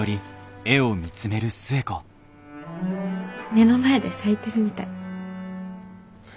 目の前で咲いてるみたい。